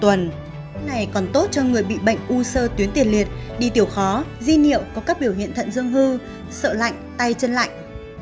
tuần này còn tốt cho người bị bệnh u sơ tuyến tiền liệt đi tiểu khó di niệm có các biểu hiện thận dương hư sợ lạnh tay chân lạnh